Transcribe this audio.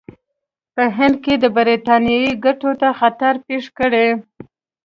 په هند کې د برټانیې ګټو ته خطر پېښ کړي.